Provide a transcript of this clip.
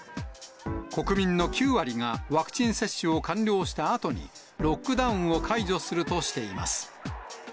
国民の９割がワクチン接種を完了したあとに、ロックダウンを解除するとしています。